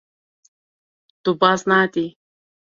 Tu baz nadî.